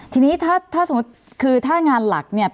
ทีนี้ถ้าสมมุติคือถ้างานหลักเนี่ย